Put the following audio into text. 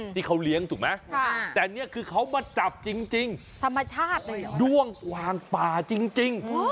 ที่เขาเลี้ยงถูกไหมแต่นี่คือเขามาจับจริงด้วงกว่างป่าจริง